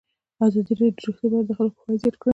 ازادي راډیو د روغتیا په اړه د خلکو پوهاوی زیات کړی.